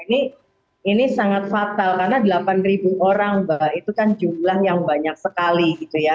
nah ini sangat fatal karena delapan ribu orang itu kan jumlah yang banyak sekali